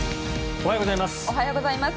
おはようございます。